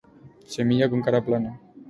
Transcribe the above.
Semilla con cara plana.